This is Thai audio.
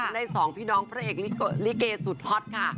ในสองพี่น้องพระเอกลิเกย์สุดฮอตค่ะ